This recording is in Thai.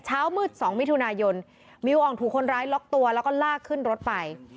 เช้ามืด๒มิถุนายนมิวอ่องถูกคนร้ายล็อกตัวแล้วก็ลากขึ้นรถไป